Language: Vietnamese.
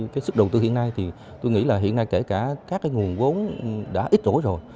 cái sức đầu tư hiện nay thì tôi nghĩ là hiện nay kể cả các cái nguồn vốn đã ít đổi rồi